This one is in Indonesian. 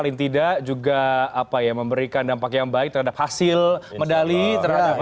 dan yang tidak juga apa ya memberikan dampak yang baik terhadap hasil medali terhadap kontinen